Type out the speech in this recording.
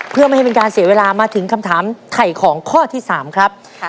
เพื่อไม่ให้เป็นการเสียเวลามาถึงคำถามไถ่ของข้อที่๓ครับ